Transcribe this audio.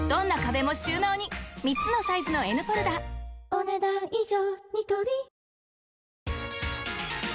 お、ねだん以上。